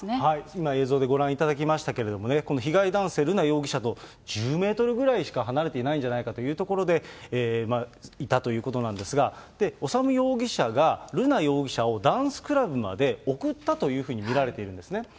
今、映像でご覧いただきましたけれどもね、この被害男性、瑠奈容疑者と１０メートルぐらいしか離れていないんじゃないかという所でいたということなんですが、修容疑者が、瑠奈容疑者をダンスクラブまで送ったというふうに見られているんですね。